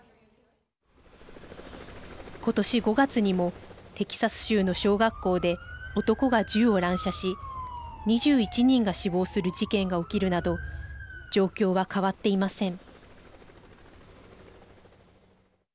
今年５月にもテキサス州の小学校で男が銃を乱射し２１人が死亡する事件が起きるなど状況は変わっていません。